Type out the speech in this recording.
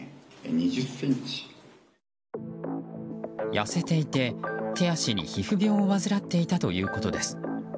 痩せていて手足に皮膚病を患っていたということです。